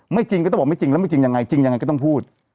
จริงก็ต้องบอกไม่จริงแล้วไม่จริงยังไงจริงยังไงก็ต้องพูด